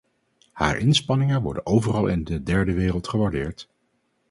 Haar inspanningen worden overal in de derde wereld gewaardeerd.